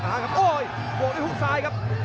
ผวงโดยยกูซายครับ